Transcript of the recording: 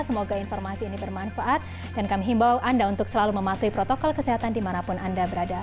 semoga informasi ini bermanfaat dan kami himbau anda untuk selalu mematuhi protokol kesehatan dimanapun anda berada